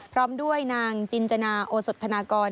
พร้อมด้วยนางจินจนาโอสดธนากร